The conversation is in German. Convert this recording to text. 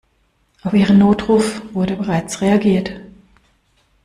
Auf Ihren Notruf wurde bereits reagiert.